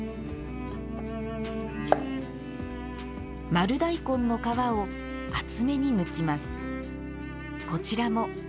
丸大根の皮を厚めにむきます。